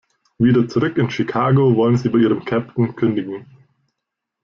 Wieder zurück in Chicago wollen sie bei ihrem Captain kündigen.